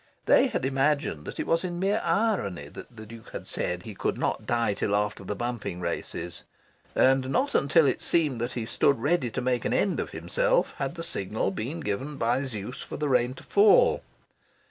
They had imagined that it was in mere irony that the Duke had said he could not die till after the bumping races; and not until it seemed that he stood ready to make an end of himself had the signal been given by Zeus for the rain to fall.